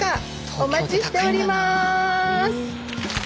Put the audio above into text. お待ちしております！